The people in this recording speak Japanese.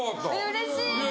うれしい！